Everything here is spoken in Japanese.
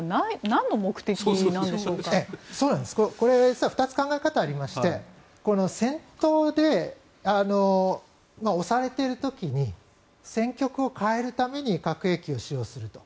実は２つ考え方がありまして戦闘で押されている時に戦局を変えるために核兵器を使用すると。